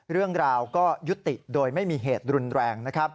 เรื่องราวก็ยุติโดยไม่มีเหตุรุนแรงนะครับ